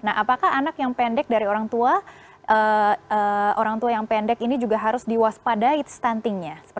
nah apakah anak yang pendek dari orang tua orang tua yang pendek ini juga harus diwaspadai stuntingnya